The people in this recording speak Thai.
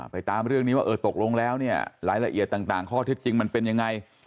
ตามเรื่องนี้ว่าเออตกลงแล้วเนี่ยรายละเอียดต่างข้อเท็จจริงมันเป็นยังไง